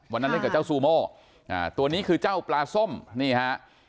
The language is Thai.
วันนั้นเล่นกับเจ้าซูโม่ตัวนี้คือเจ้าปลาส้มนี่ฮะ